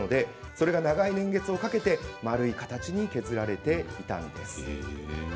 それが長い年月をかけて丸い形に削られたんです。